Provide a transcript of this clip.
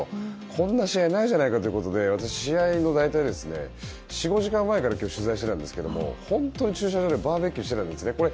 こんな試合ないじゃないかということで私、試合の４５時間前から取材していたんですが本当に駐車場でバーべーキューしてたんです。